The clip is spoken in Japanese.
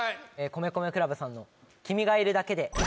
米米ＣＬＵＢさんの「君がいるだけで」